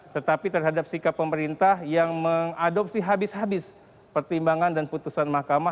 tetapi terhadap sikap pemerintah yang mengadopsi habis habis pertimbangan dan putusan mk yang kita pahami betul